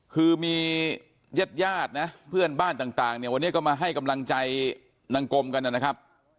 คือมีญาติญาตินะเพื่อนบ้านต่างเนี่ยวันนี้ก็มาให้กำลังใจนางกลมกันนะครับ